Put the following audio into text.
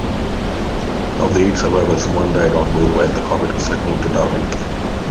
Of the eight survivors, one died onboard while the corvette was returning to Darwin.